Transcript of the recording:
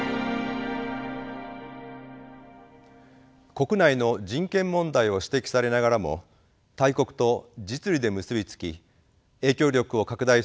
国内の人権問題を指摘されながらも大国と実利で結び付き影響力を拡大するインド。